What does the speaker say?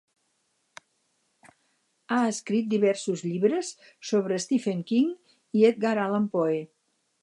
Ha escrit diversos llibres sobre Stephen King i Edgar Allan Poe.